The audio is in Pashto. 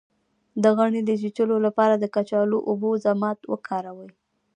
د غڼې د چیچلو لپاره د کچالو او اوبو ضماد وکاروئ